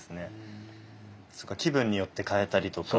そうか気分によって替えたりとか？